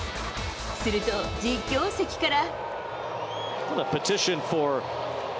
すると、実況席から。